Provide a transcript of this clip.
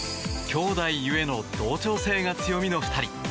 姉弟ゆえの同調性が強みの２人。